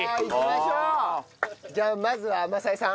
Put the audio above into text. じゃあまずは政江さん。